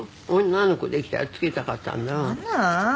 女の子できたら付けたかったんだ。